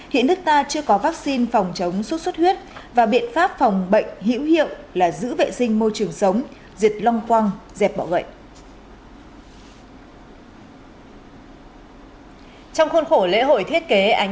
hiện nước ta chưa có vaccine phòng chống sốt xuất huyết và biện pháp phòng bệnh hữu hiệu là giữ vệ sinh môi trường sống diệt long quăng dẹp bỏ gậy